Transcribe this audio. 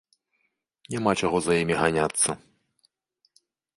Няма чаго за імі ганяцца.